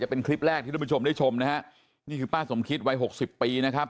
เป็นคลิปแรกที่ทุกผู้ชมได้ชมนะฮะนี่คือป้าสมคิตวัยหกสิบปีนะครับ